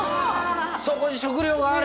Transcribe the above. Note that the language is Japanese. そこに食糧がある。